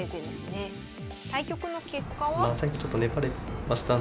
対局の結果は？